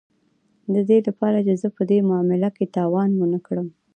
د دې لپاره چې زه په دې معامله کې تاوان ونه کړم